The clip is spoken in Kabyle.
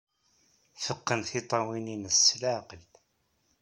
Teqqen tiṭṭawin-nnes s leɛqel.